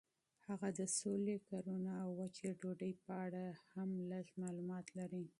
هغه د سولې، کرونا او وچې ډوډۍ په اړه هم لږ معلومات لري.